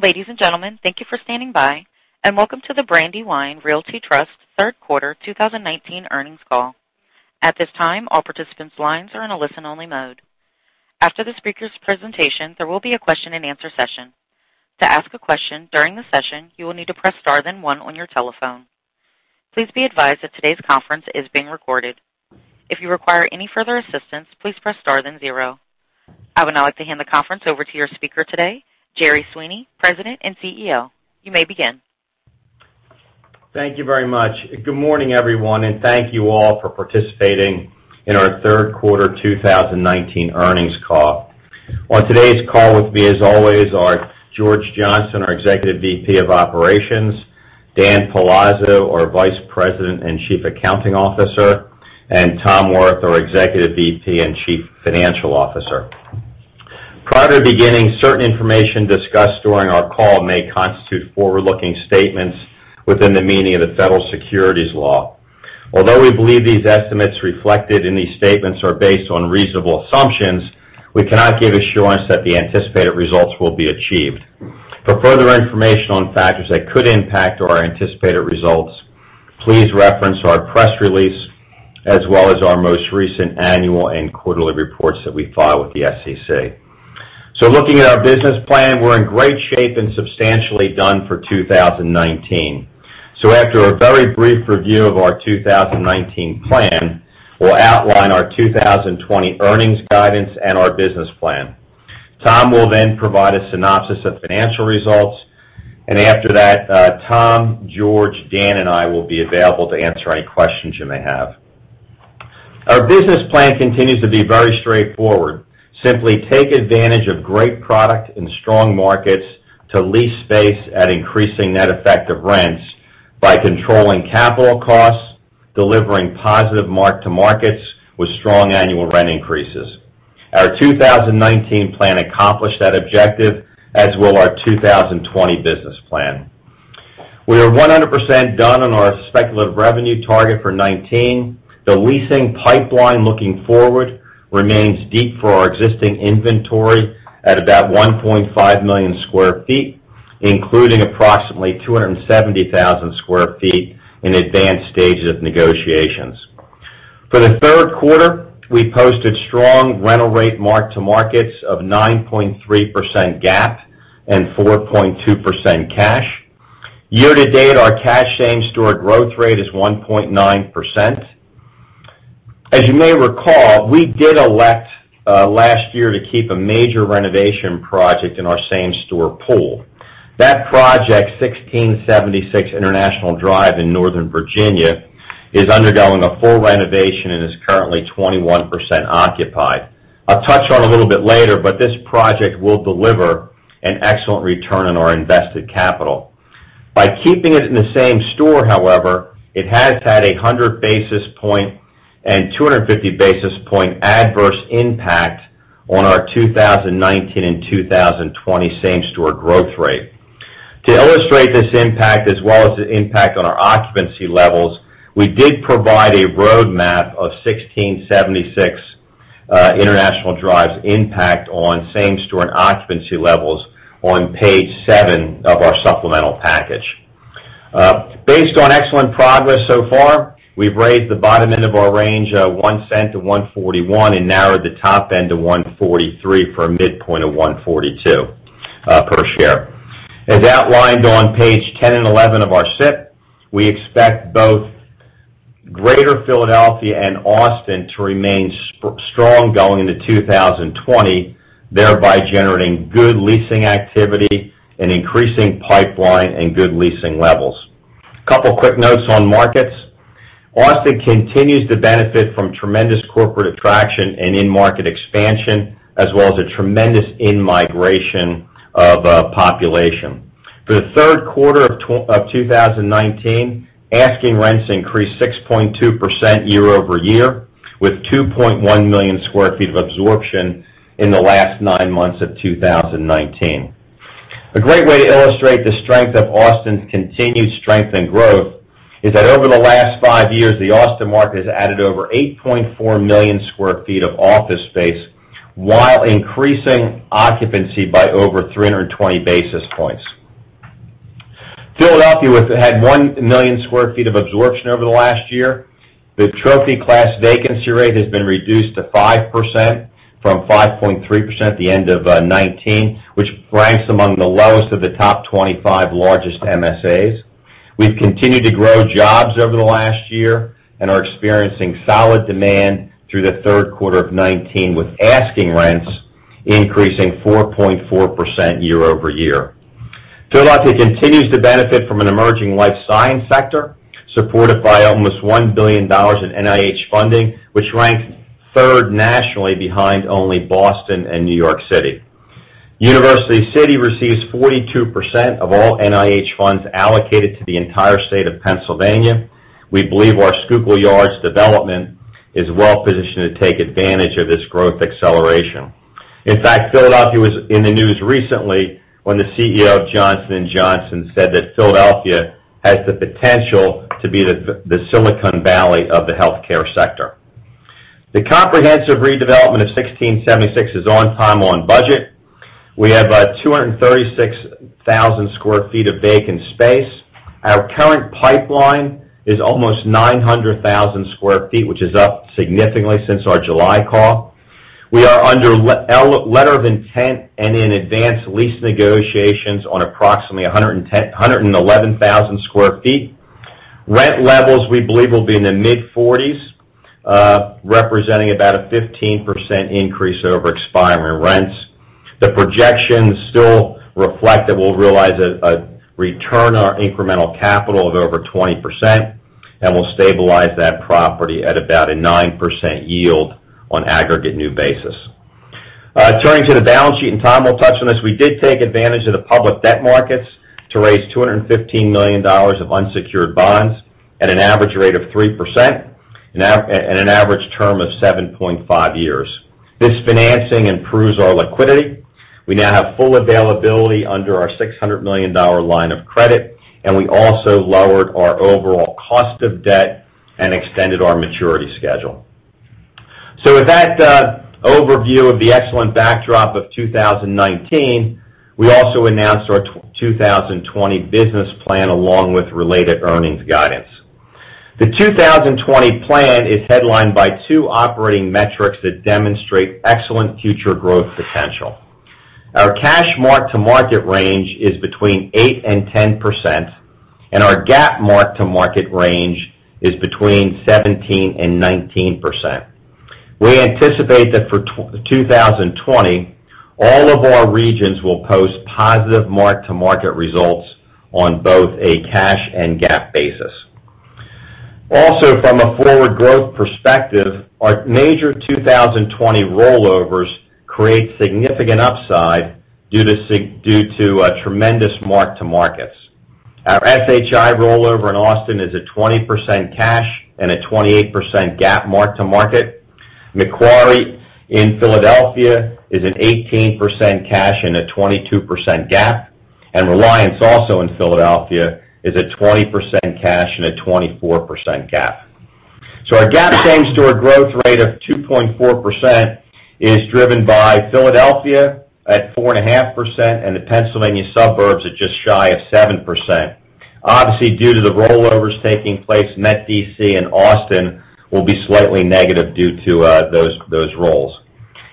Ladies and gentlemen, thank you for standing by, and welcome to the Brandywine Realty Trust third quarter 2019 earnings call. At this time, all participants' lines are in a listen-only mode. After the speakers' presentation, there will be a question and answer session. To ask a question during the session, you will need to press star then one on your telephone. Please be advised that today's conference is being recorded. If you require any further assistance, please press star then zero. I would now like to hand the conference over to your speaker today, Gerry Sweeney, President and CEO. You may begin. Thank you very much. Good morning, everyone, and thank you all for participating in our third quarter 2019 earnings call. On today's call with me, as always, are George Johnstone, our Executive Vice President of Operations, Daniel Palazzo, our Vice President and Chief Accounting Officer, and Tom Wirth, our Executive Vice President and Chief Financial Officer. Prior to beginning, certain information discussed during our call may constitute forward-looking statements within the meaning of the federal securities law. Although we believe these estimates reflected in these statements are based on reasonable assumptions, we cannot give assurance that the anticipated results will be achieved. For further information on factors that could impact our anticipated results, please reference our press release as well as our most recent annual and quarterly reports that we file with the SEC. Looking at our business plan, we're in great shape and substantially done for 2019. After a very brief review of our 2019 plan, we will outline our 2020 earnings guidance and our business plan. Tom will then provide a synopsis of financial results. After that, Tom, George, Dan, and I will be available to answer any questions you may have. Our business plan continues to be very straightforward. Simply take advantage of great product and strong markets to lease space at increasing net effective rents by controlling capital costs, delivering positive mark-to-markets with strong annual rent increases. Our 2019 plan accomplished that objective, as will our 2020 business plan. We are 100% done on our speculative revenue target for 2019. The leasing pipeline looking forward remains deep for our existing inventory at about 1.5 million sq ft, including approximately 270,000 sq ft in advanced stages of negotiations. For the third quarter, we posted strong rental rate mark-to-markets of 9.3% GAAP and 4.2% cash. Year-to-date, our cash same-store growth rate is 1.9%. As you may recall, we did elect last year to keep a major renovation project in our same-store pool. That project, 1676 International Drive in Northern Virginia, is undergoing a full renovation and is currently 21% occupied. I'll touch on it a little bit later, but this project will deliver an excellent return on our invested capital. By keeping it in the same store, however, it has had a 100 basis points and 250 basis points adverse impact on our 2019 and 2020 same-store growth rate. To illustrate this impact as well as the impact on our occupancy levels, we did provide a roadmap of 1676 International Drive's impact on same-store and occupancy levels on page seven of our supplemental package. Based on excellent progress so far, we've raised the bottom end of our range $0.01 to $1.41. Narrowed the top end to $1.43 for a midpoint of $1.42 per share. As outlined on page 10 and 11 of our SEC, we expect both Greater Philadelphia and Austin to remain strong going into 2020, thereby generating good leasing activity and increasing pipeline and good leasing levels. Couple quick notes on markets. Austin continues to benefit from tremendous corporate attraction and in-market expansion, as well as a tremendous in-migration of population. For the third quarter of 2019, asking rents increased 6.2% year-over-year, with 2.1 million square feet of absorption in the last nine months of 2019. A great way to illustrate the strength of Austin's continued strength and growth is that over the last five years, the Austin market has added over 8.4 million square feet of office space while increasing occupancy by over 320 basis points. Philadelphia, which had one million square feet of absorption over the last year, the trophy class vacancy rate has been reduced to 5% from 5.3% at the end of 2019, which ranks among the lowest of the top 25 largest MSAs. We've continued to grow jobs over the last year and are experiencing solid demand through the third quarter of 2019, with asking rents increasing 4.4% year-over-year. Philadelphia continues to benefit from an emerging life science sector, supported by almost $1 billion in NIH funding, which ranks third nationally behind only Boston and New York City. University City receives 42% of all NIH funds allocated to the entire state of Pennsylvania. We believe our Schuylkill Yards development is well-positioned to take advantage of this growth acceleration. In fact, Philadelphia was in the news recently when the CEO of Johnson & Johnson said that Philadelphia has the potential to be the Silicon Valley of the healthcare sector. The comprehensive redevelopment of 1676 is on time, on budget. We have 236,000 sq ft of vacant space. Our current pipeline is almost 900,000 sq ft, which is up significantly since our July call. We are under letter of intent and in advanced lease negotiations on approximately 111,000 sq ft. Rent levels, we believe will be in the mid-40s, representing about a 15% increase over expiring rents. The projections still reflect that we'll realize a return on our incremental capital of over 20%, and we'll stabilize that property at about a 9% yield on aggregate new basis. Turning to the balance sheet, and Tom will touch on this, we did take advantage of the public debt markets to raise $215 million of unsecured bonds at an average rate of 3% and an average term of 7.5 years. This financing improves our liquidity. We now have full availability under our $600 million line of credit, and we also lowered our overall cost of debt and extended our maturity schedule. With that overview of the excellent backdrop of 2019, we also announced our 2020 business plan along with related earnings guidance. The 2020 plan is headlined by two operating metrics that demonstrate excellent future growth potential. Our cash mark-to-market range is between 8%-10%, and our GAAP mark-to-market range is between 17%-19%. We anticipate that for 2020, all of our regions will post positive mark-to-market results on both a cash and GAAP basis. From a forward growth perspective, our major 2020 rollovers create significant upside due to tremendous mark-to-markets. Our SHI rollover in Austin is a 20% cash and a 28% GAAP mark-to-market. Macquarie in Philadelphia is an 18% cash and a 22% GAAP. Reliance, also in Philadelphia, is a 20% cash and a 24% GAAP. Our GAAP same-store growth rate of 2.4% is driven by Philadelphia at 4.5%, and the Pennsylvania suburbs at just shy of 7%. Obviously, due to the rollovers taking place, Metro DC and Austin will be slightly negative due to those rolls.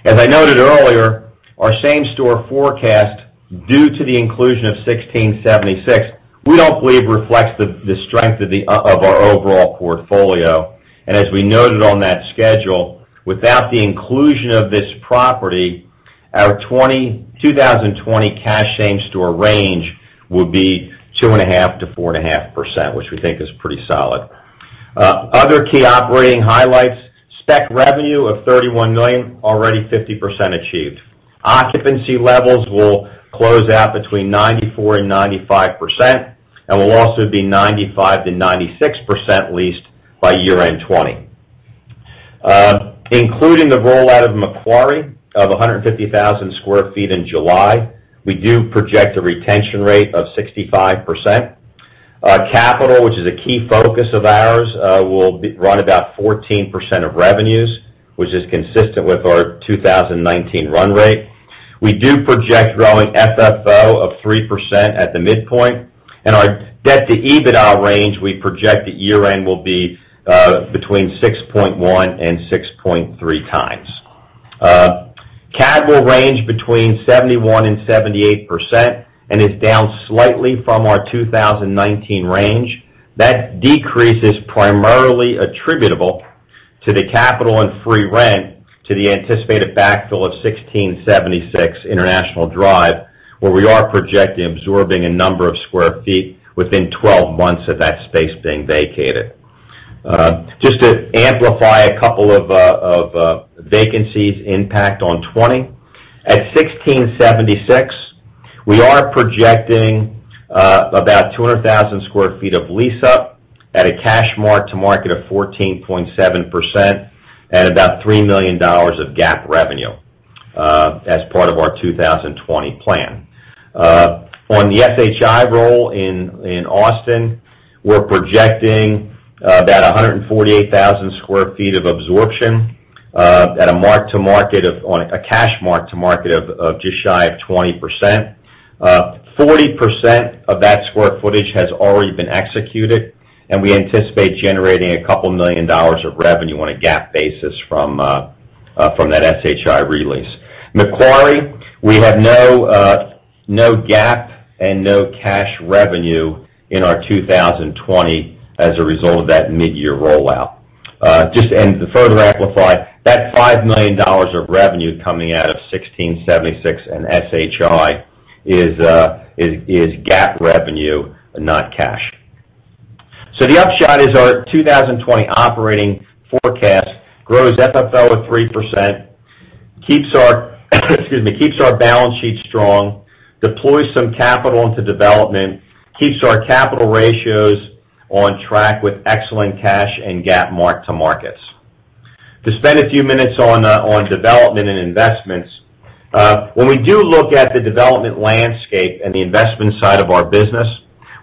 As I noted earlier, our same-store forecast, due to the inclusion of 1676, we don't believe reflects the strength of our overall portfolio. As we noted on that schedule, without the inclusion of this property, our 2020 cash same-store range would be 2.5%-4.5%, which we think is pretty solid. Other key operating highlights, spec revenue of $31 million, already 50% achieved. Occupancy levels will close out between 94%-95%, and will also be 95%-96% leased by year-end 2020. Including the rollout of Macquarie of 150,000 sq ft in July, we do project a retention rate of 65%. Capital, which is a key focus of ours, will run about 14% of revenues, which is consistent with our 2019 run rate. We do project growing FFO of 3% at the midpoint, and our debt to EBITDA range, we project at year-end will be between 6.1 and 6.3 times. CAD will range between 71% and 78%, and is down slightly from our 2019 range. That decrease is primarily attributable to the capital and free rent to the anticipated backfill of 1676 International Drive, where we are projecting absorbing a number of square feet within 12 months of that space being vacated. Just to amplify a couple of vacancies' impact on 2020. At 1676, we are projecting about 200,000 square feet of lease up at a cash mark-to-market of 14.7% and about $3 million of GAAP revenue as part of our 2020 plan. On the SHI roll in Austin, we're projecting about 148,000 square feet of absorption at a cash mark-to-market of just shy of 20%. 40% of that square footage has already been executed. We anticipate generating $2 million of revenue on a GAAP basis from that SHI re-lease. Macquarie, we have no GAAP and no cash revenue in our 2020 as a result of that mid-year rollout. Just to further amplify, that $5 million of revenue coming out of 1676 and SHI is GAAP revenue, not cash. The upshot is our 2020 operating forecast grows FFO of 3%, keeps our balance sheet strong, deploys some capital into development, keeps our capital ratios on track with excellent cash and GAAP mark-to-markets. To spend a few minutes on development and investments. When we do look at the development landscape and the investment side of our business,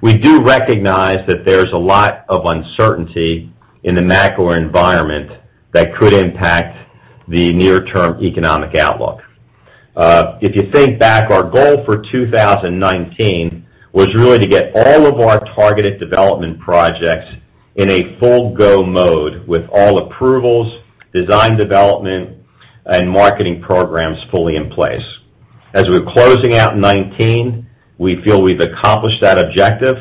we do recognize that there's a lot of uncertainty in the macro environment that could impact the near-term economic outlook. If you think back, our goal for 2019 was really to get all of our targeted development projects in a full go mode with all approvals, design development, and marketing programs fully in place. As we're closing out 2019, we feel we've accomplished that objective.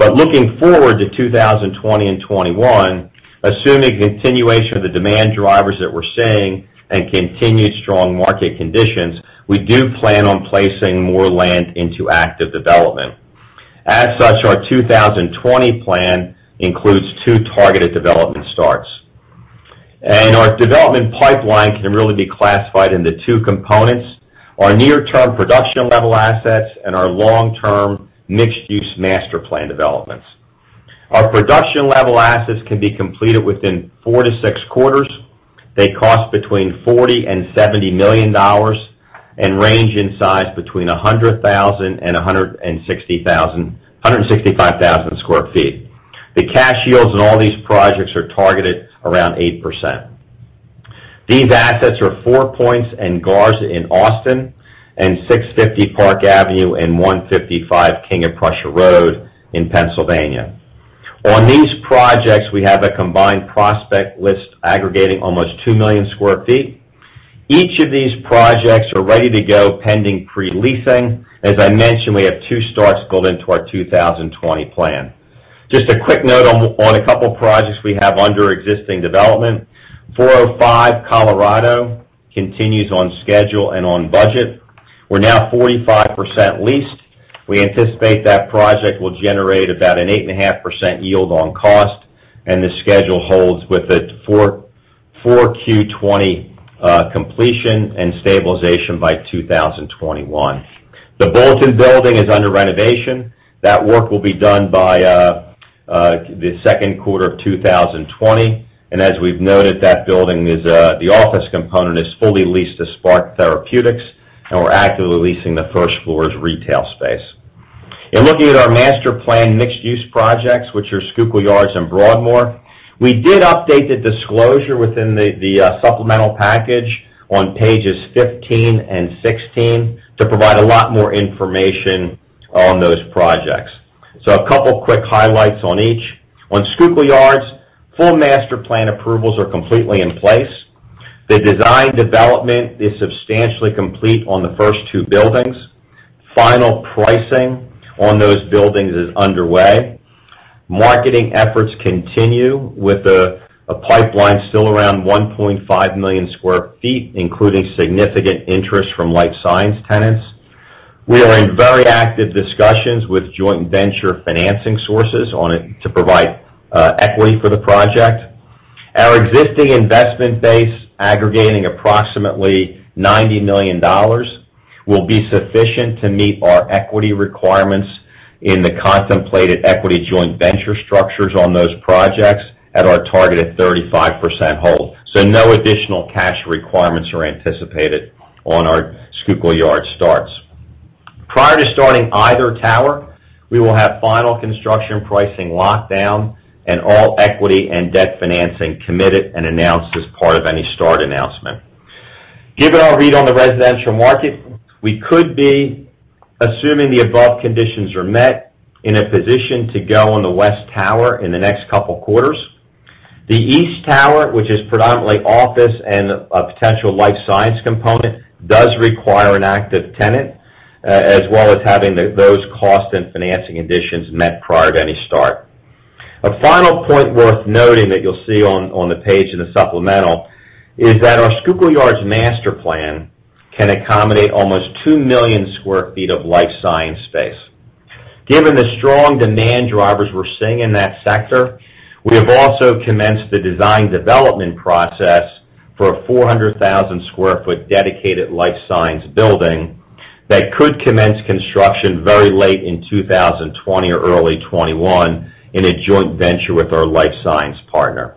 Looking forward to 2020 and 2021, assuming continuation of the demand drivers that we're seeing and continued strong market conditions, we do plan on placing more land into active development. As such, our 2020 plan includes two targeted development starts. Our development pipeline can really be classified into two components, our near-term production level assets and our long-term mixed-use master plan developments. Our production level assets can be completed within four to six quarters. They cost between $40 and $70 million, and range in size between 100,000 and 165,000 sq ft. The cash yields on all these projects are targeted around 8%. These assets are Four Points and Garza in Austin, and 650 Park Avenue and 155 King of Prussia Road in Pennsylvania. On these projects, we have a combined prospect list aggregating almost 2 million sq ft. Each of these projects are ready to go pending pre-leasing. As I mentioned, we have two starts built into our 2020 plan. Just a quick note on a couple of projects we have under existing development. 405 Colorado continues on schedule and on budget. We're now 45% leased. We anticipate that project will generate about an 8.5% yield on cost, and the schedule holds with a 4Q 2020 completion and stabilization by 2021. The Bulletin Building is under renovation. That work will be done by the second quarter of 2020. As we've noted, that building, the office component is fully leased to Spark Therapeutics, and we're actively leasing the first floor as retail space. In looking at our master plan mixed-use projects, which are Schuylkill Yards and Broadmoor, we did update the disclosure within the supplemental package on pages 15 and 16 to provide a lot more information on those projects. A couple of quick highlights on each. On Schuylkill Yards, full master plan approvals are completely in place. The design development is substantially complete on the first two buildings. Final pricing on those buildings is underway. Marketing efforts continue with a pipeline still around 1.5 million square feet, including significant interest from life science tenants. We are in very active discussions with joint venture financing sources to provide equity for the project. Our existing investment base, aggregating approximately $90 million, will be sufficient to meet our equity requirements in the contemplated equity joint venture structures on those projects at our targeted 35% hold. No additional cash requirements are anticipated on our Schuylkill Yards starts. Prior to starting either tower, we will have final construction pricing locked down and all equity and debt financing committed and announced as part of any start announcement. Given our read on the residential market, we could be, assuming the above conditions are met, in a position to go on the West Tower in the next couple of quarters. The East Tower, which is predominantly office and a potential life science component, does require an active tenant, as well as having those cost and financing conditions met prior to any start. A final point worth noting that you'll see on the page in the supplemental is that our Schuylkill Yards master plan can accommodate almost 2 million sq ft of life science space. Given the strong demand drivers we're seeing in that sector, we have also commenced the design development process for a 400,000 sq ft dedicated life science building that could commence construction very late in 2020 or early 2021 in a joint venture with our life science partner.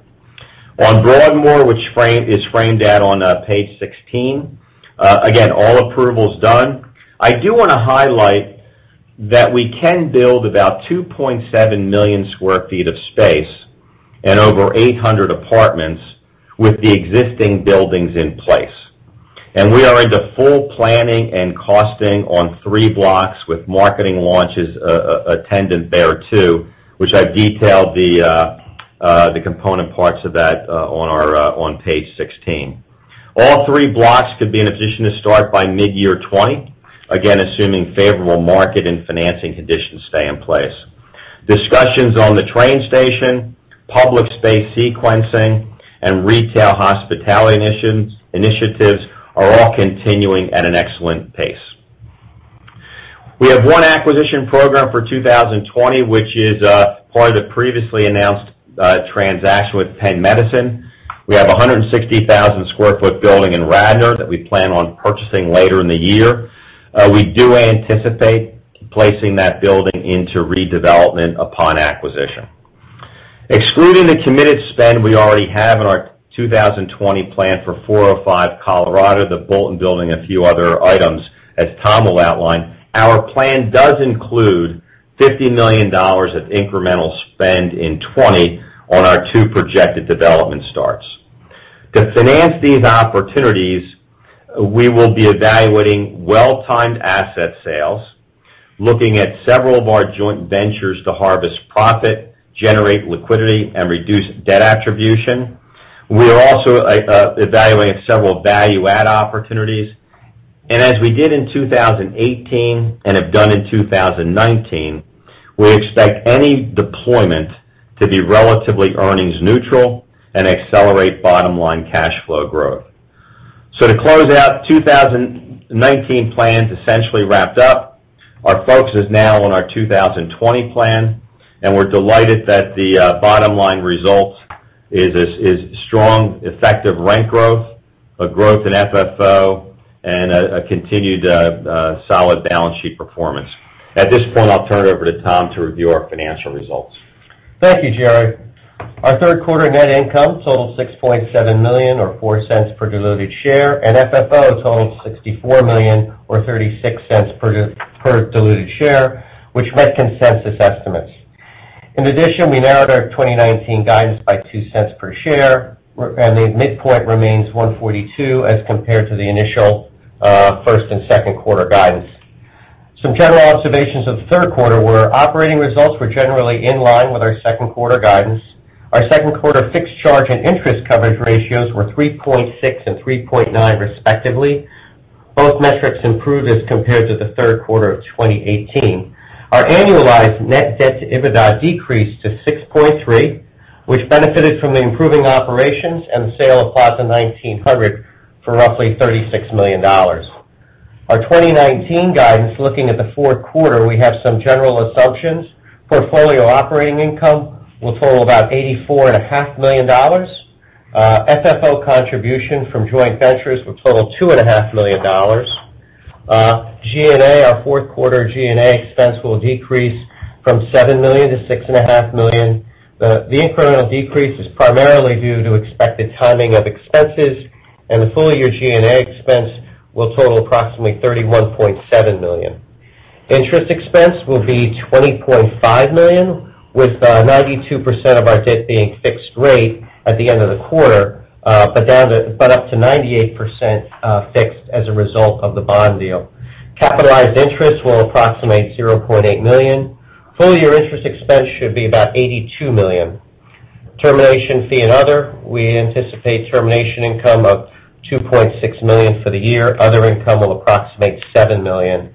On Broadmoor, which is framed out on page 16. Again, all approvals done. I do want to highlight that we can build about 2.7 million sq ft of space and over 800 apartments with the existing buildings in place. We are into full planning and costing on three blocks with marketing launches attendant thereto, which I've detailed the component parts of that on page 16. All three blocks could be in a position to start by mid-year 2020, again, assuming favorable market and financing conditions stay in place. Discussions on the train station, public space sequencing, and retail hospitality initiatives are all continuing at an excellent pace. We have one acquisition program for 2020, which is part of the previously announced transaction with Penn Medicine. We have a 160,000 square foot building in Radnor that we plan on purchasing later in the year. We do anticipate placing that building into redevelopment upon acquisition. Excluding the committed spend we already have in our 2020 plan for 405 Colorado, the Bulletin Building, a few other items, as Tom will outline, our plan does include $50 million of incremental spend in 2020 on our two projected development starts. To finance these opportunities, we will be evaluating well-timed asset sales, looking at several of our joint ventures to harvest profit, generate liquidity, and reduce debt attribution. We are also evaluating several value-add opportunities, as we did in 2018 and have done in 2019, we expect any deployment to be relatively earnings neutral and accelerate bottom-line cash flow growth. To close out 2019 plans essentially wrapped up. Our focus is now on our 2020 plan, we're delighted that the bottom-line result is strong effective rent growth, a growth in FFO, and a continued solid balance sheet performance. At this point, I'll turn it over to Tom to review our financial results. Thank you, Gerry. Our third quarter net income totaled $6.7 million, or $0.04 per diluted share, and FFO totaled $64 million, or $0.36 per diluted share, which met consensus estimates. In addition, we narrowed our 2019 guidance by $0.02 per share, and the midpoint remains $1.42 as compared to the initial first and second quarter guidance. Some general observations of the third quarter were operating results were generally in line with our second quarter guidance. Our second quarter fixed charge and interest coverage ratios were 3.6 and 3.9 respectively. Both metrics improved as compared to the third quarter of 2018. Our annualized net debt to EBITDA decreased to 6.3, which benefited from the improving operations and the sale of Plaza 1900 for roughly $36 million. Our 2019 guidance, looking at the fourth quarter, we have some general assumptions. Portfolio operating income will total about $84.5 million. FFO contribution from joint ventures will total $2.5 million. G&A, our fourth quarter G&A expense will decrease from $7 million to $6.5 million. The incremental decrease is primarily due to expected timing of expenses. The full-year G&A expense will total approximately $31.7 million. Interest expense will be $20.5 million, with 92% of our debt being fixed rate at the end of the quarter, but up to 98% fixed as a result of the bond deal. Capitalized interest will approximate $0.8 million. Full-year interest expense should be about $82 million. Termination fee and other, we anticipate termination income of $2.6 million for the year. Other income will approximate $7 million.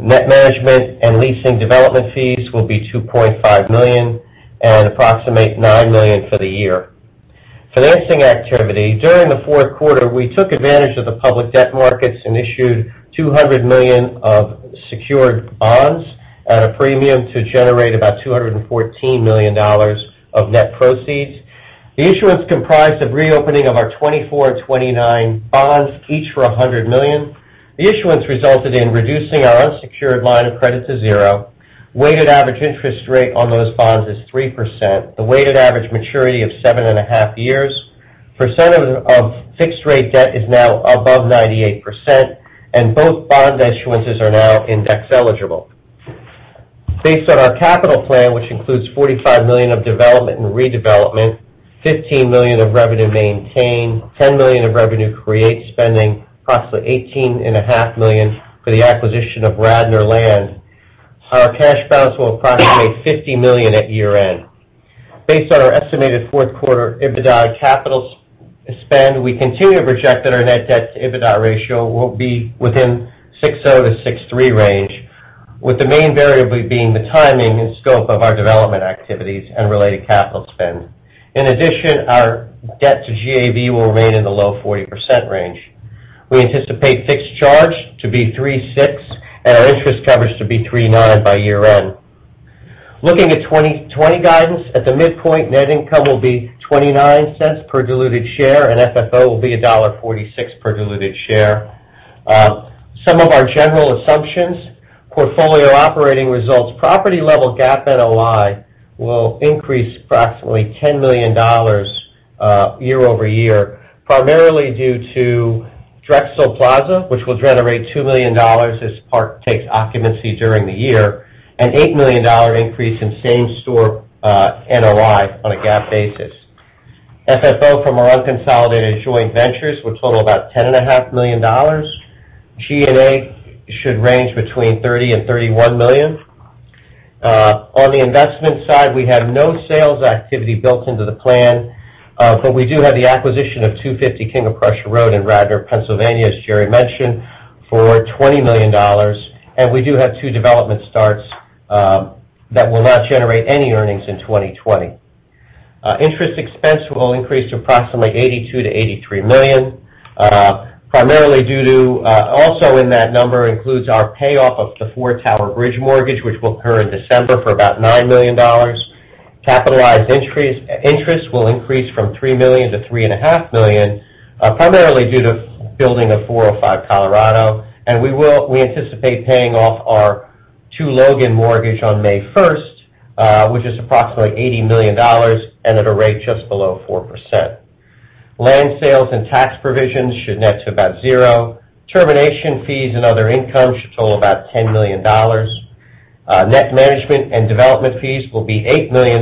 Net management and leasing development fees will be $2.5 million and approximate $9 million for the year. Financing activity. During the fourth quarter, we took advantage of the public debt markets and issued $200 million of secured bonds at a premium to generate about $214 million of net proceeds. The issuance comprised of reopening of our 2024 and 2029 bonds, each for $100 million. The issuance resulted in reducing our unsecured line of credit to zero. Weighted average interest rate on those bonds is 3%. The weighted average maturity of seven and a half years. Percent of fixed-rate debt is now above 98%, and both bond issuances are now index eligible. Based on our capital plan, which includes $45 million of development and redevelopment, $15 million of revenue maintain, $10 million of revenue create spending, approximately $18.5 million for the acquisition of Radnor land, our cash balance will approximate $50 million at year-end. Based on our estimated fourth quarter EBITDA capital spend, we continue to project that our net debt to EBITDA ratio will be within 6.0-6.3 range, with the main variable being the timing and scope of our development activities and related capital spend. In addition, our debt to GAV will remain in the low 40% range. We anticipate fixed charge to be 3.6, and our interest coverage to be 3.9 by year-end. Looking at 2020 guidance, at the midpoint, net income will be $0.29 per diluted share, and FFO will be $1.46 per diluted share. Some of our general assumptions. Portfolio operating results. Property level GAAP NOI will increase approximately $10 million year-over-year, primarily due to Drexel Plaza, which will generate $2 million as Spark takes occupancy during the year, an $8 million increase in same-store NOI on a GAAP basis. FFO from our unconsolidated joint ventures will total about $10.5 million. G&A should range between $30 million and $31 million. On the investment side, we have no sales activity built into the plan, but we do have the acquisition of 250 King of Prussia Road in Radnor, Pennsylvania, as Gerry mentioned, for $20 million. We do have two development starts that will not generate any earnings in 2020. Interest expense will increase to approximately $82 million-$83 million. Also in that number includes our payoff of the Four Tower Bridge mortgage, which will occur in December for about $9 million. Capitalized interest will increase from $3 million to $3.5 million, primarily due to building of 405 Colorado. We anticipate paying off our 2 Logan mortgage on May 1st, which is approximately $80 million and at a rate just below 4%. Land sales and tax provisions should net to about zero. Termination fees and other income should total about $10 million. Net management and development fees will be $8 million,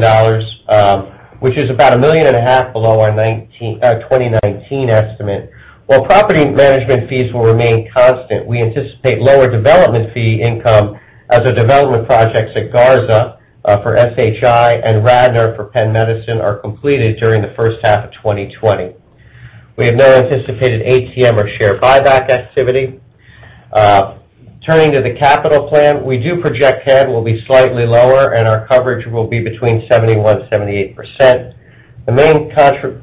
which is about a million and a half below our 2019 estimate. While property management fees will remain constant, we anticipate lower development fee income as our development projects at Garza for SHI and Radnor for Penn Medicine are completed during the first half of 2020. We have no anticipated ATM or share buyback activity. Turning to the capital plan, we do project CAD will be slightly lower, and our coverage will be between 71% and 78%. The main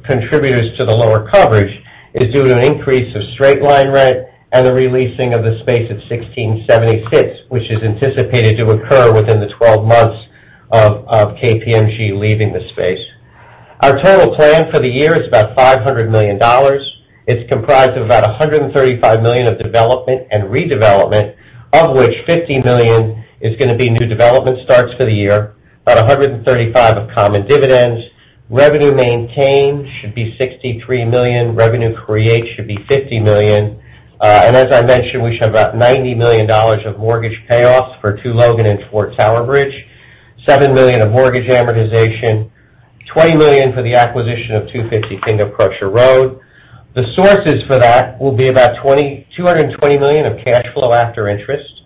contributors to the lower coverage is due to an increase of straight line rent and the releasing of the space at 1676, which is anticipated to occur within the 12 months of KPMG leaving the space. Our total plan for the year is about $500 million. It's comprised of about $135 million of development and redevelopment, of which $50 million is going to be new development starts for the year, about $135 million of common dividends. Revenue maintained should be $63 million. Revenue create should be $50 million. As I mentioned, we should have about $90 million of mortgage payoffs for 2 Logan and Four Tower Bridge, $7 million of mortgage amortization, $20 million for the acquisition of 250 King of Prussia Road. The sources for that will be about $220 million of cash flow after interest,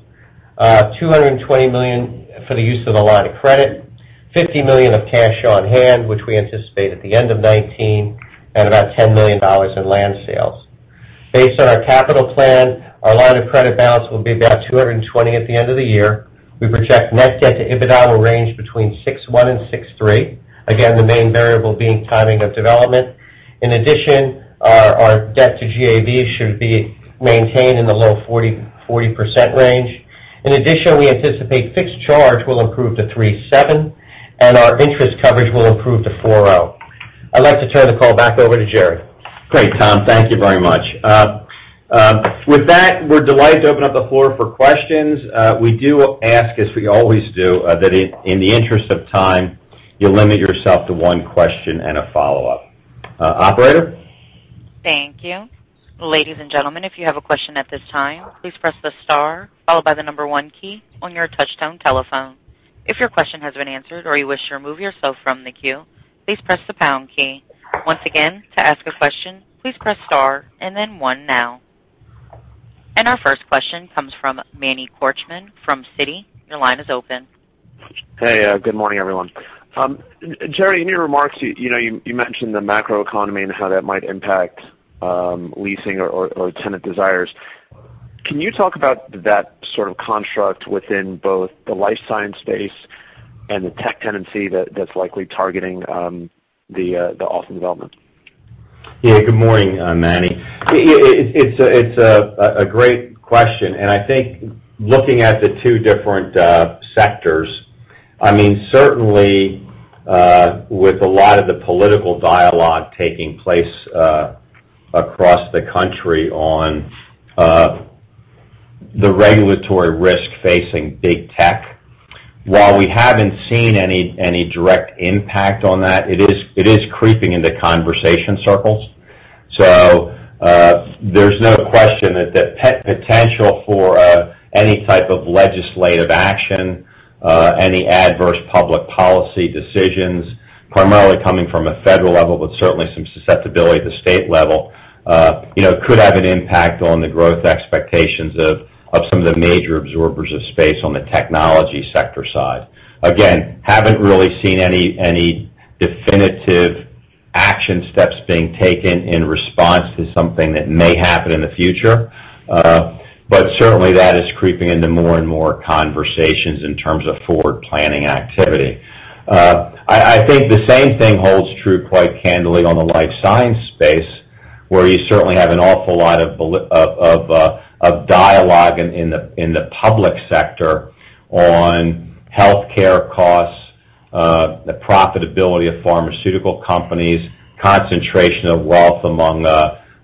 $220 million for the use of the line of credit, $50 million of cash on hand, which we anticipate at the end of 2019, and about $10 million in land sales. Based on our capital plan, our line of credit balance will be about $220 million at the end of the year. We project net debt to EBITDA will range between 6.1 and 6.3. Again, the main variable being timing of development. In addition, our debt to GAV should be maintained in the low 40% range. In addition, we anticipate fixed charge will improve to 3.7, and our interest coverage will improve to 4.0. I'd like to turn the call back over to Gerry. Great, Tom. Thank you very much. With that, we're delighted to open up the floor for questions. We do ask, as we always do, that in the interest of time, you limit yourself to one question and a follow-up. Operator? Thank you. Ladies and gentlemen, if you have a question at this time, please press the star followed by the number one key on your touch-tone telephone. If your question has been answered or you wish to remove yourself from the queue, please press the pound key. Once again, to ask a question, please press star and then one now. Our first question comes from Manny Korchman from Citi. Your line is open. Hey, good morning, everyone. Gerry, in your remarks, you mentioned the macroeconomy and how that might impact leasing or tenant desires. Can you talk about that sort of construct within both the life science space and the tech tenancy that's likely targeting the Austin development? Yeah. Good morning, Manny. It's a great question, and I think looking at the two different sectors, certainly, with a lot of the political dialogue taking place across the country on the regulatory risk facing big tech, while we haven't seen any direct impact on that, it is creeping into conversation circles. There's no question that the potential for any type of legislative action, any adverse public policy decisions, primarily coming from a federal level, but certainly some susceptibility at the state level, could have an impact on the growth expectations of some of the major absorbers of space on the technology sector side. Again, haven't really seen any definitive action steps being taken in response to something that may happen in the future. Certainly, that is creeping into more and more conversations in terms of forward planning activity. I think the same thing holds true, quite candidly, on the life science space, where you certainly have an awful lot of dialogue in the public sector on healthcare costs, the profitability of pharmaceutical companies, concentration of wealth among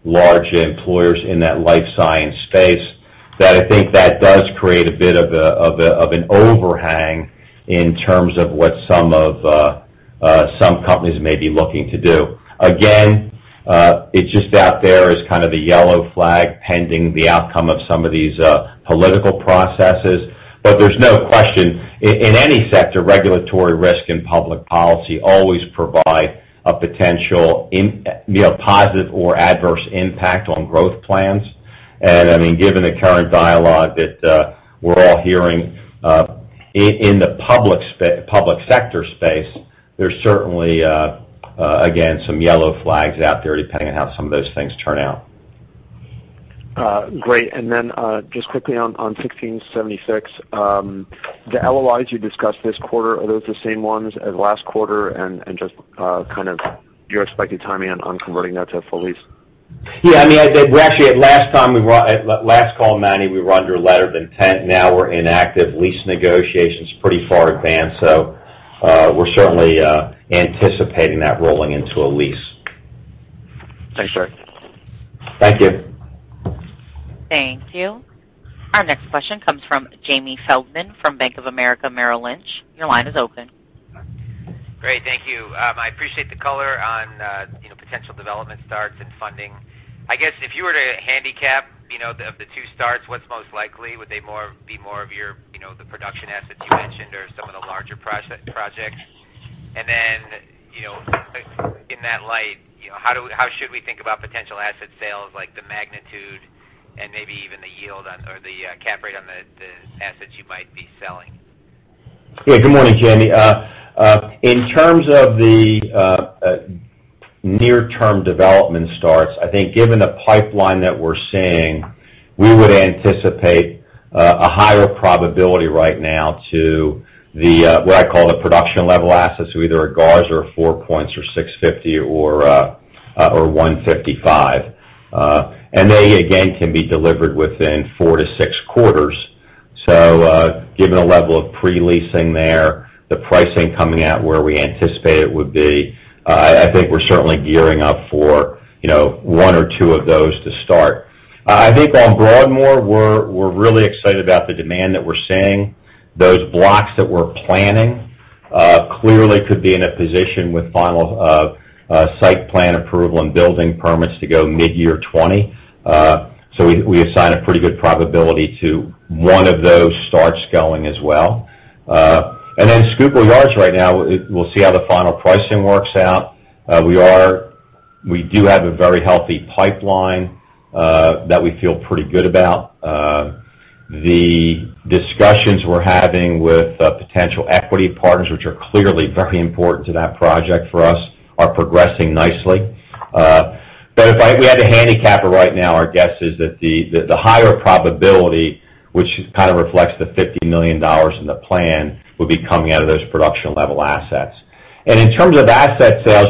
large employers in that life science space, that I think that does create a bit of an overhang in terms of what some companies may be looking to do. Again, it's just out there as kind of a yellow flag pending the outcome of some of these political processes. There's no question, in any sector, regulatory risk and public policy always provide a potential positive or adverse impact on growth plans. Given the current dialogue that we're all hearing in the public sector space, there's certainly, again, some yellow flags out there depending on how some of those things turn out. Great. Just quickly on 1676, the LOIs you discussed this quarter, are those the same ones as last quarter and just kind of your expected timing on converting that to a full lease? Yeah. Actually, at last call, Manny, we were under letter of intent. Now we're in active lease negotiations, pretty far advanced, so we're certainly anticipating that rolling into a lease. Thanks, Gerry. Thank you. Thank you. Our next question comes from Jamie Feldman from Bank of America Merrill Lynch. Your line is open. Great. Thank you. I appreciate the color on potential development starts and funding. I guess if you were to handicap, of the two starts, what's most likely? Would they be more of your production assets you mentioned or some of the larger projects? Then, in that light, how should we think about potential asset sales, like the magnitude and maybe even the yield on, or the cap rate on the assets you might be selling? Good morning, Jamie. In terms of the near-term development starts, I think given the pipeline that we're seeing, we would anticipate a higher probability right now to the, what I call the production-level assets. Either at Garza or Four Points or 650 or 155. They, again, can be delivered within 4-6 quarters. Given the level of pre-leasing there, the pricing coming out where we anticipate it would be, I think we're certainly gearing up for one or two of those to start. I think on Broadmoor, we're really excited about the demand that we're seeing. Those blocks that we're planning clearly could be in a position with final site plan approval and building permits to go mid-year 2020. We assign a pretty good probability to one of those starts going as well. Schuylkill Yards right now, we'll see how the final pricing works out. We do have a very healthy pipeline, that we feel pretty good about. The discussions we're having with potential equity partners, which are clearly very important to that project for us, are progressing nicely. If we had to handicap it right now, our guess is that the higher probability, which kind of reflects the $50 million in the plan, will be coming out of those production-level assets. In terms of asset sales,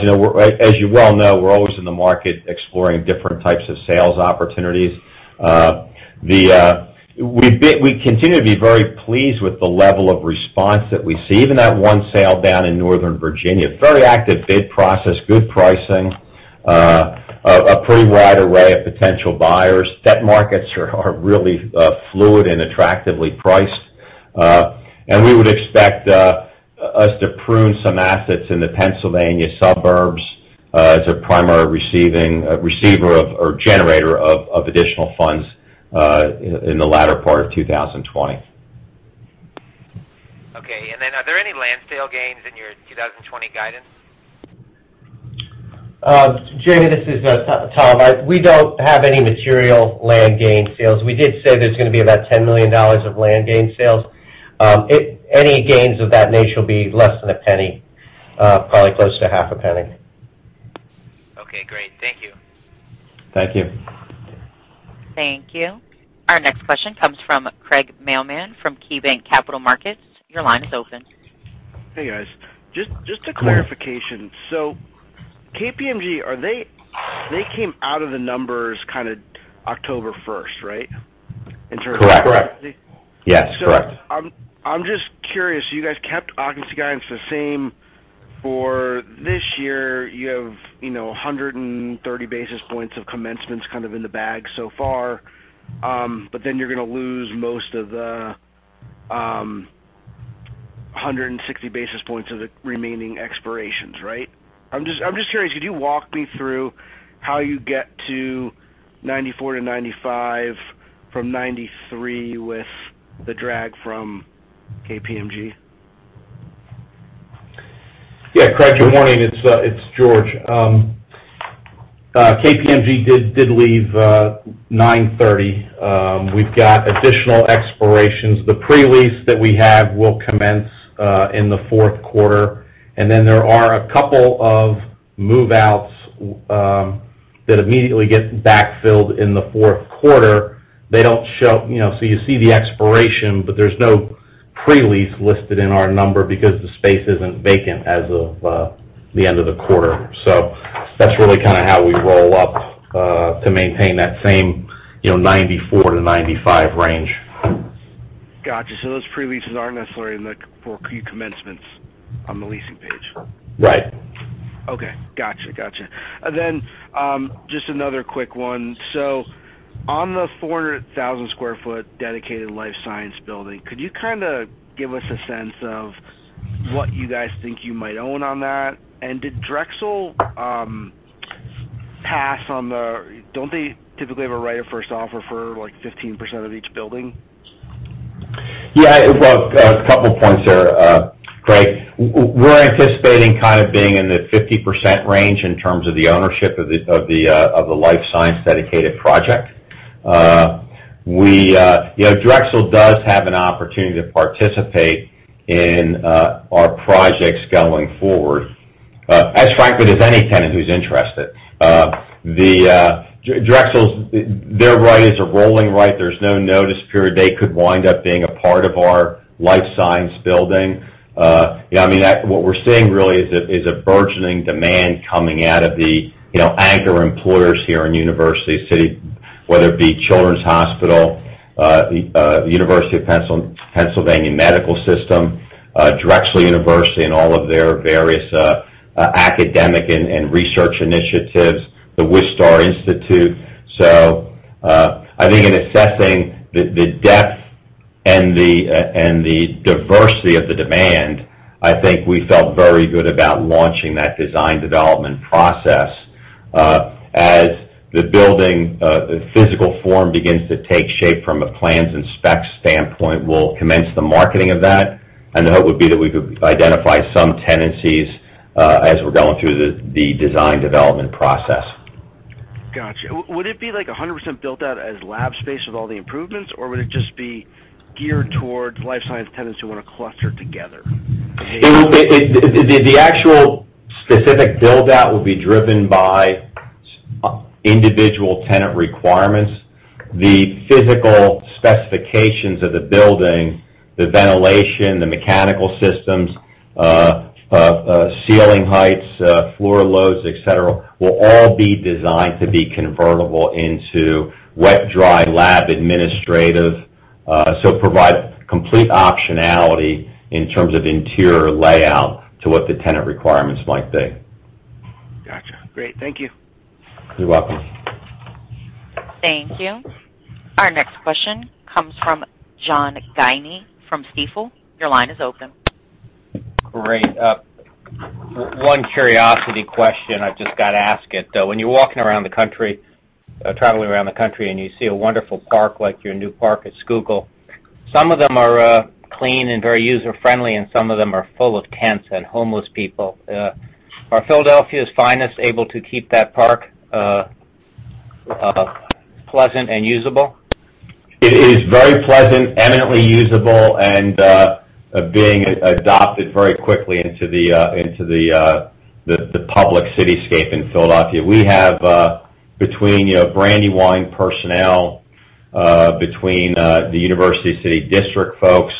as you well know, we're always in the market exploring different types of sales opportunities. We continue to be very pleased with the level of response that we see. Even that one sale down in Northern Virginia, very active bid process, good pricing, a pretty wide array of potential buyers. Debt markets are really fluid and attractively priced. We would expect us to prune some assets in the Pennsylvania suburbs as a primary receiver of, or generator of additional funds, in the latter part of 2020. Okay. Are there any land sale gains in your 2020 guidance? Jamie, this is Tom. We don't have any material land gain sales. We did say there's going to be about $10 million of land gain sales. Any gains of that nature will be less than $0.01, probably closer to $0.005. Okay, great. Thank you. Thank you. Thank you. Our next question comes from Craig Mailman from KeyBanc Capital Markets. Your line is open. Hey, guys. Just a clarification. KPMG, they came out of the numbers kind of October 1st, right? Correct. Correct. Yes, correct. I'm just curious, you guys kept occupancy guidance the same for this year. You have 130 basis points of commencements kind of in the bag so far. Then you're going to lose most of the 160 basis points of the remaining expirations, right? I'm just curious, could you walk me through how you get to 94 to 95 from 93 with the drag from KPMG? Craig, good morning. It's George. KPMG did leave 930. We've got additional expirations. The pre-lease that we have will commence in the fourth quarter, there are a couple of move-outs that immediately get backfilled in the fourth quarter. You see the expiration, but there's no pre-lease listed in our number because the space isn't vacant as of the end of the quarter. That's really kind of how we roll up, to maintain that same 94-95 range. Got you. Those pre-leases aren't necessarily in the 4Q commencements on the leasing page? Right. Okay. Got you. Just another quick one. On the 400,000 square foot dedicated life science building, could you kind of give us a sense of what you guys think you might own on that? Did Drexel pass on the Don't they typically have a right of first offer for, like, 15% of each building? Well, a couple points there, Craig. We're anticipating kind of being in the 50% range in terms of the ownership of the life science-dedicated project. Drexel does have an opportunity to participate in our projects going forward. As frankly, any tenant who's interested. Drexel's, their right is a rolling right. There's no notice period. They could wind up being a part of our life science building. What we're seeing really is a burgeoning demand coming out of the anchor employers here in University City, whether it be Children's Hospital, The University of Pennsylvania Health System, Drexel University, and all of their various academic and research initiatives, The Wistar Institute. I think in assessing the depth and the diversity of the demand, I think we felt very good about launching that design development process. As the building, the physical form begins to take shape from a plans and specs standpoint, we'll commence the marketing of that, and the hope would be that we could identify some tenancies as we're going through the design development process. Got you. Would it be 100% built out as lab space with all the improvements, or would it just be geared towards life science tenants who want to cluster together? The actual specific build-out will be driven by individual tenant requirements. The physical specifications of the building, the ventilation, the mechanical systems, ceiling heights, floor loads, et cetera, will all be designed to be convertible into wet/dry lab administrative. Provide complete optionality in terms of interior layout to what the tenant requirements might be. Got you. Great. Thank you. You're welcome. Thank you. Our next question comes from John Guinee from Stifel. Your line is open. Great. One curiosity question, I've just got to ask it, though. When you're walking around the country, traveling around the country, and you see a wonderful park like your new park at Schuylkill, some of them are clean and very user-friendly, and some of them are full of tents and homeless people. Are Philadelphia's Finest able to keep that park pleasant and usable? It is very pleasant, eminently usable, and being adopted very quickly into the public cityscape in Philadelphia. We have between Brandywine personnel, between the University City District folks,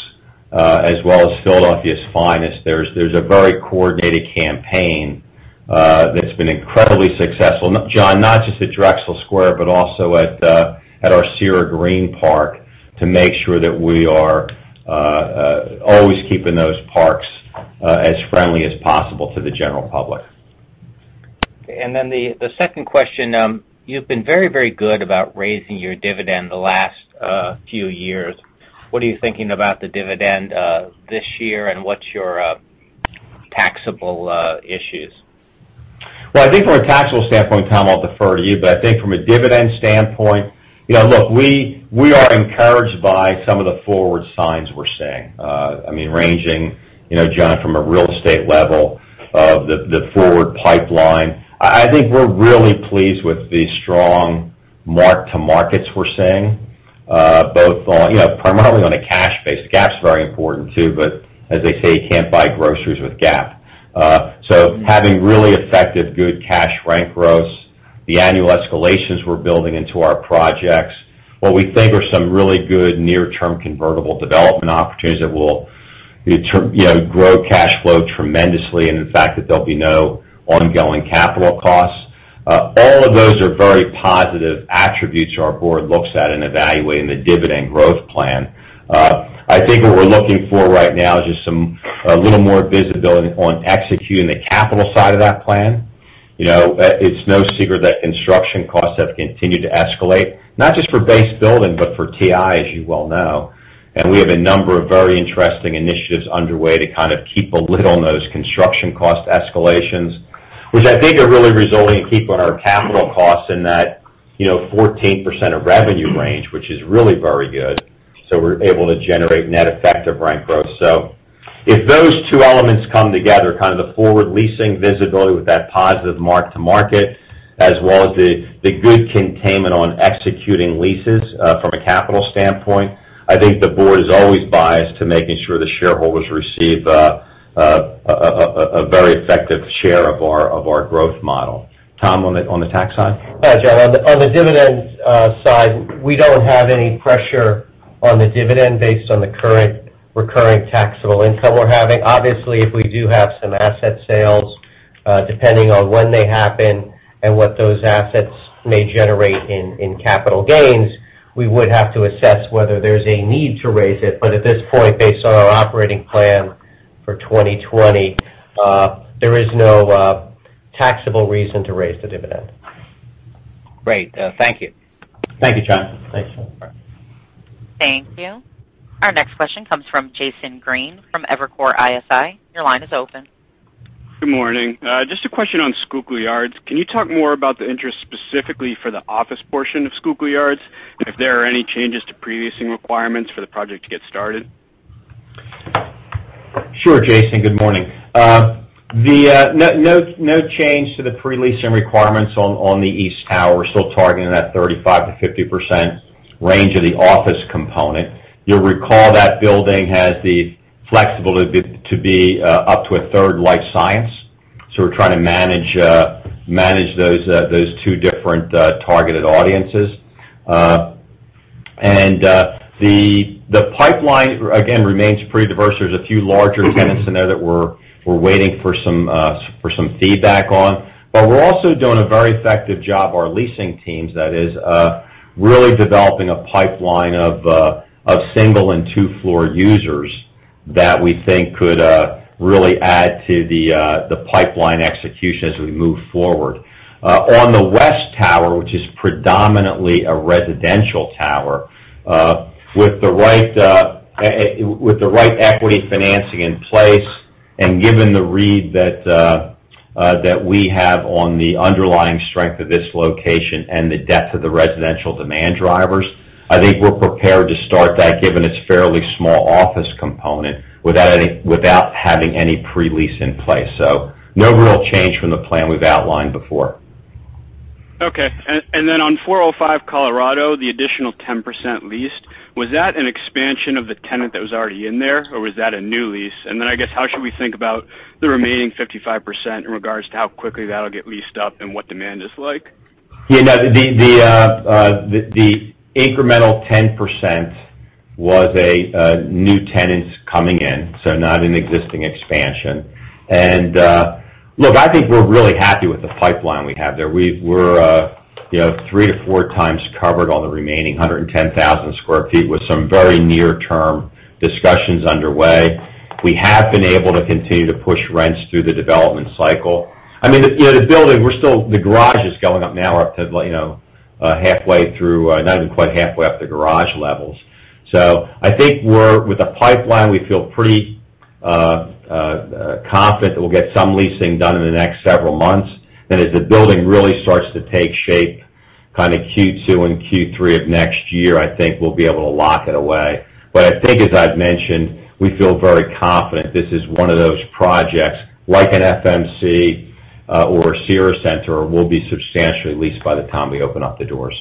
as well as Philadelphia's Finest, there's a very coordinated campaign that's been incredibly successful, John, not just at Drexel Square, but also at our Cira Green park to make sure that we are always keeping those parks as friendly as possible to the general public. The second question. You've been very good about raising your dividend the last few years. What are you thinking about the dividend this year, and what's your taxable issues? Well, I think from a taxable standpoint, Tom, I'll defer to you. I think from a dividend standpoint, look, we are encouraged by some of the forward signs we're seeing. I mean, ranging, John, from a real estate level of the forward pipeline. I think we're really pleased with the strong mark-to-markets we're seeing, primarily on a cash basis. Cash is very important too, as they say, you can't buy groceries with GAAP. Having really effective good cash rank growth, the annual escalations we're building into our projects, what we think are some really good near-term convertible development opportunities that will grow cash flow tremendously, and the fact that there'll be no ongoing capital costs. All of those are very positive attributes our board looks at in evaluating the dividend growth plan. I think what we're looking for right now is just a little more visibility on executing the capital side of that plan. It's no secret that construction costs have continued to escalate, not just for base building, but for TI, as you well know. We have a number of very interesting initiatives underway to kind of keep a lid on those construction cost escalations, which I think are really resulting in keeping our capital costs in that 14% of revenue range, which is really very good. We're able to generate net effective rent growth. If those two elements come together, kind of the forward leasing visibility with that positive mark-to-market, as well as the good containment on executing leases from a capital standpoint, I think the board is always biased to making sure the shareholders receive a very effective share of our growth model. Tom, on the tax side? Yeah, John. On the dividend side, we don't have any pressure on the dividend based on the current recurring taxable income we're having. Obviously, if we do have some asset sales, depending on when they happen and what those assets may generate in capital gains, we would have to assess whether there's a need to raise it. At this point, based on our operating plan for 2020, there is no taxable reason to raise the dividend. Great. Thank you. Thank you, John. Thanks. Thank you. Our next question comes from Jason Green from Evercore ISI. Your line is open. Good morning. Just a question on Schuylkill Yards. Can you talk more about the interest specifically for the office portion of Schuylkill Yards, and if there are any changes to pre-leasing requirements for the project to get started? Sure, Jason, good morning. No change to the pre-leasing requirements on the east tower. We're still targeting that 35%-50% range of the office component. You'll recall that building has the flexibility to be up to a third life science. We're trying to manage those two different targeted audiences. The pipeline, again, remains pretty diverse. There's a few larger tenants in there that we're waiting for some feedback on. We're also doing a very effective job, our leasing teams, that is, really developing a pipeline of single and two-floor users. That we think could really add to the pipeline execution as we move forward. On the West tower, which is predominantly a residential tower. With the right equity financing in place, and given the read that we have on the underlying strength of this location and the depth of the residential demand drivers, I think we're prepared to start that, given its fairly small office component, without having any pre-lease in place. No real change from the plan we've outlined before. Okay. On 405 Colorado, the additional 10% leased, was that an expansion of the tenant that was already in there, or was that a new lease? I guess, how should we think about the remaining 55% in regards to how quickly that'll get leased up and what demand is like? The incremental 10% was a new tenant coming in, so not an existing expansion. Look, I think we're really happy with the pipeline we have there. We're 3 to 4 times covered on the remaining 110,000 square feet with some very near-term discussions underway. We have been able to continue to push rents through the development cycle. The building, the garage is going up now. We're halfway through, not even quite halfway up the garage levels. I think with the pipeline, we feel pretty confident that we'll get some leasing done in the next several months. As the building really starts to take shape, kind of Q2 and Q3 of next year, I think we'll be able to lock it away. I think, as I've mentioned, we feel very confident this is one of those projects, like an FMC or a Cira Centre, will be substantially leased by the time we open up the doors.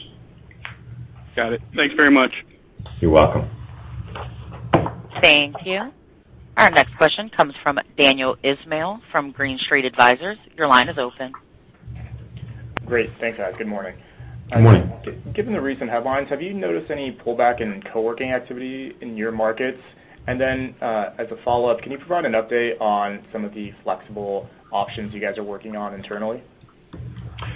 Got it. Thanks very much. You're welcome. Thank you. Our next question comes from Daniel Ismail from Green Street Advisors. Your line is open. Great. Thanks, guys. Good morning. Good morning. Given the recent headlines, have you noticed any pullback in co-working activity in your markets? As a follow-up, can you provide an update on some of the flexible options you guys are working on internally?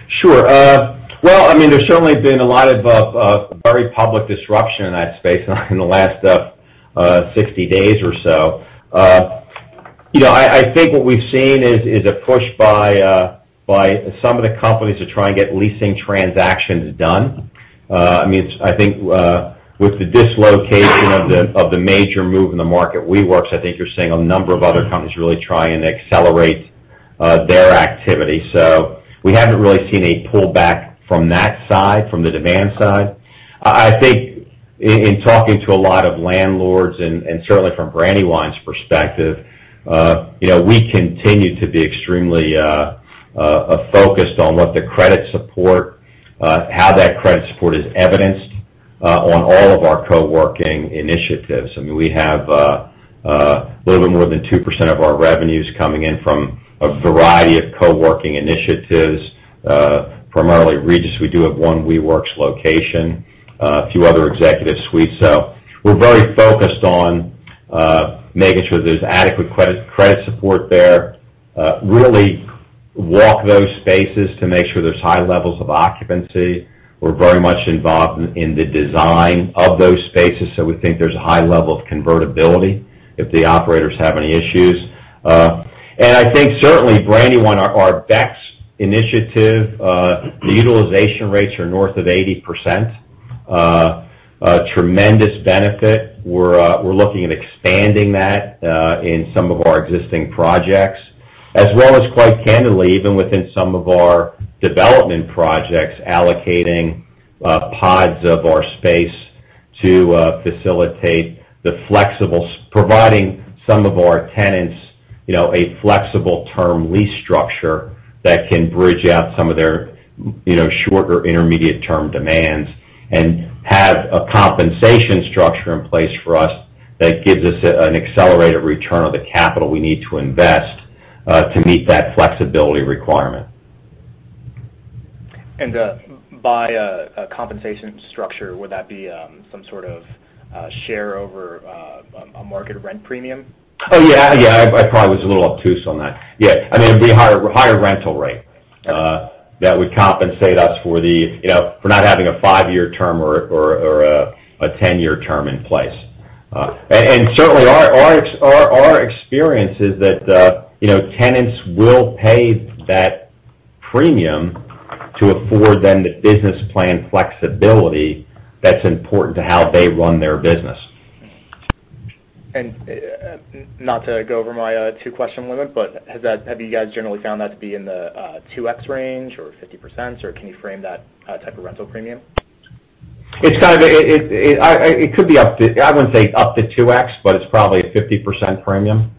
Sure. There's certainly been a lot of very public disruption in that space in the last 60 days or so. I think what we've seen is a push by some of the companies to try and get leasing transactions done. I think with the dislocation of the major move in the market, WeWork, I think you're seeing a number of other companies really try and accelerate their activity. We haven't really seen a pullback from that side, from the demand side. I think in talking to a lot of landlords, and certainly from Brandywine's perspective, we continue to be extremely focused on what the credit support, how that credit support is evidenced on all of our co-working initiatives. We have a little bit more than 2% of our revenues coming in from a variety of co-working initiatives. Primarily Regus, we do have one WeWork's location, a few other executive suites. We're very focused on making sure there's adequate credit support there. Really walk those spaces to make sure there's high levels of occupancy. We're very much involved in the design of those spaces, so we think there's a high level of convertibility if the operators have any issues. I think certainly Brandywine, our BEX initiative, the utilization rates are north of 80%. A tremendous benefit. We're looking at expanding that in some of our existing projects, as well as, quite candidly, even within some of our development projects, allocating pods of our space to facilitate providing some of our tenants a flexible term lease structure that can bridge out some of their shorter intermediate term demands. Have a compensation structure in place for us that gives us an accelerated return of the capital we need to invest to meet that flexibility requirement. By a compensation structure, would that be some sort of share over a market rent premium? Yeah. I probably was a little obtuse on that. Yeah, it'd be a higher rental rate that would compensate us for not having a five-year term or a 10-year term in place. Certainly our experience is that tenants will pay that premium to afford them the business plan flexibility that's important to how they run their business. Not to go over my two-question limit, have you guys generally found that to be in the 2x range or 50%? Can you frame that type of rental premium? It could be up to, I wouldn't say up to 2x, but it's probably a 50% premium.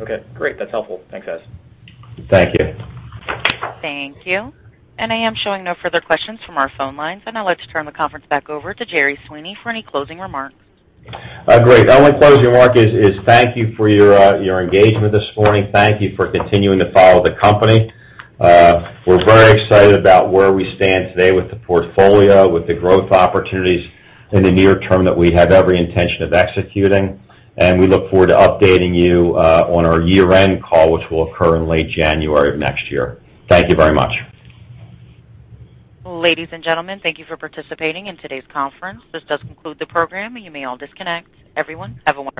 Okay, great. That's helpful. Thanks, guys. Thank you. Thank you. I am showing no further questions from our phone lines. I'd like to turn the conference back over to Gerry Sweeney for any closing remarks. Great. The only closing remark is thank you for your engagement this morning. Thank you for continuing to follow the company. We're very excited about where we stand today with the portfolio, with the growth opportunities in the near term that we have every intention of executing. We look forward to updating you on our year-end call, which will occur in late January of next year. Thank you very much. Ladies and gentlemen, thank you for participating in today's conference. This does conclude the program. You may all disconnect. Everyone, have a wonderful day.